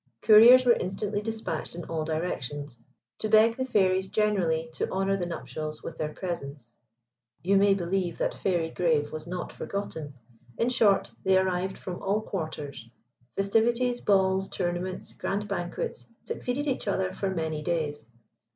Couriers were instantly dispatched in all directions, to beg the Fairies generally to honour the nuptials with their presence. You may believe that Fairy Grave was not forgotten. In short, they arrived from all quarters. Festivities, balls, tournaments, grand banquets, succeeded each other for many days.